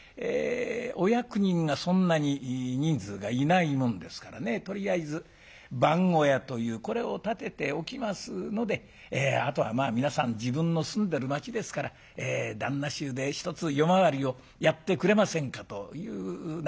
お役人がそんなに人数がいないもんですからねとりあえず番小屋というこれを建てておきますのであとは皆さん自分の住んでる町ですから旦那衆で一つ夜回りをやってくれませんかという流れになるわけでございます。